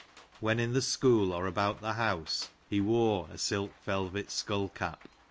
When in the school, or about the house, he wore a silk velvet skull cap."